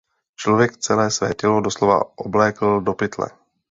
Člověk celé své tělo doslova oblékl do pytle.